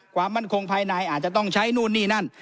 ความมั่นคงภายในอาจจะต้องใช้นู่นนี่นั่น